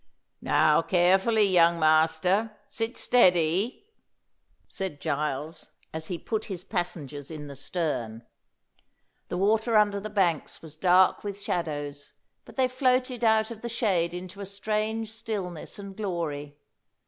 "Now carefully, young master. Sit steady," said Giles, as he put his passengers in the stern. The water under the banks was dark with shadows, but they floated out of the shade into a strange stillness and glory.